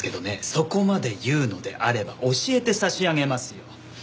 そこまで言うのであれば教えて差し上げますよ。